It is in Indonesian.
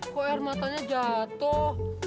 kok air matanya jatuh